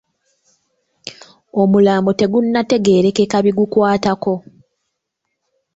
Omulambo tegunnategeerekeka bigukwatako.